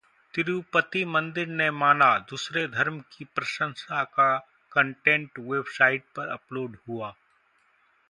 तिरुपति मंदिर ने माना,‘दूसरे धर्म की प्रशंसा का कंटेट वेबसाइट पर अपलोड हुआ’